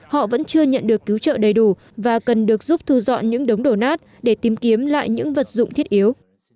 họ vẫn chưa nhận được cứu trợ đầy đủ và cần được giúp thu dọn những đống đổ nát để tìm kiếm lại những vật dụng thiết yếu